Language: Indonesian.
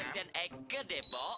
seksian eike deh bo